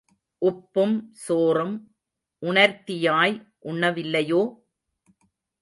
உப்பும் சோறும் உணர்த்தியாய் உண்ணவில்லையோ?